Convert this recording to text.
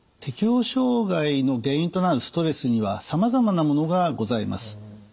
適応障害の原因となるストレスにはさまざまなものがございます。